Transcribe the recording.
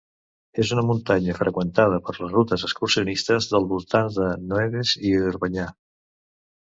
És una muntanya freqüentada per les rutes excursionistes dels voltants de Noedes i Orbanyà.